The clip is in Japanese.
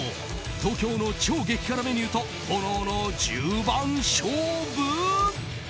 東京の超激辛メニューと炎の十番勝負！